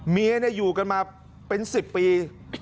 เมียอยู่กันมาเป็น๑๐ปี